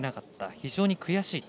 非常に悔しいと。